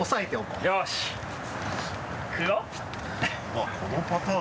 まぁこのパターン。